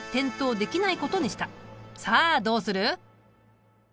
さあどうする？